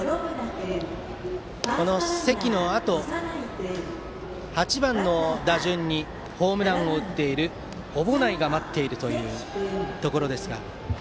関のあと、８番の打順にホームランを打っている小保内が待っているというところですが。